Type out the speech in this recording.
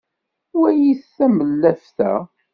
walit tawellaft-a